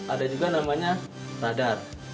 ada juga namanya radar